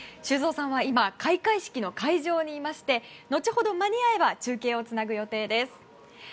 修造さんは今開会式の会場にいまして後ほど間に合えば中継をつなぐ予定です。